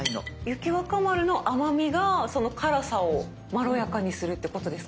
雪若丸の甘みがその辛さをまろやかにするってことですか？